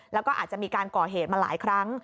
แล้วก็อาจจะมีการก่อเหตุมาหลายครั้ง